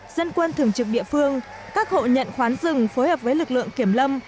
dân quân thường trực địa phương các hộ nhận khoán rừng phối hợp với lực lượng kiểm lâm